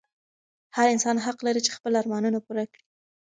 هر انسان حق لري چې خپل ارمانونه پوره کړي.